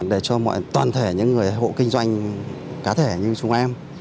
để cho mọi toàn thể những người hộ kinh doanh cá thể như chúng em